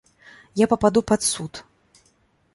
Я пападу пад суд.